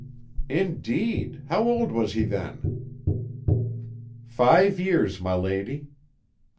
"Indeed! How old was he then?" "Five years, my lady."